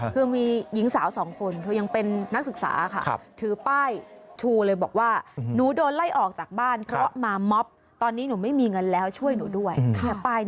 คือมีหญิงสาวสองคนเธอยังเป็นนักศึกษาค่ะถือป้ายชูเลยบอกว่าหนูโดนไล่ออกจากบ้านเพราะมาม็อบตอนนี้หนูไม่มีเงินแล้วช่วยหนูด้วย